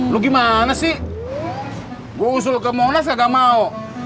lu gimana sih gue usul ke monas ya gak mau